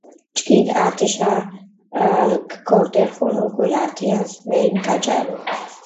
ჭკიდი ართიშა გორტიხუნი უკული ართიანს ვემკაჭაბუ.